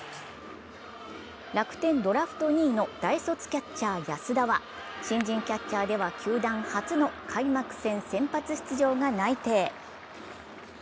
楽天ドラフト２位の大卒キャッチャー・安田は、新人キャッチャーでは球団初の開幕戦先発出場が内定。